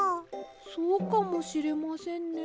そうかもしれませんね。